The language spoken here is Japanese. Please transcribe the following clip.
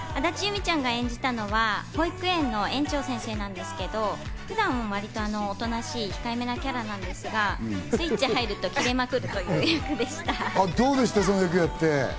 安達祐実ちゃんが演じているのは、保育園の園長先生なんですけど、普段は割とおとなしい控え目なキャラなんですが、スイッチが入るとキレまくるという役でした。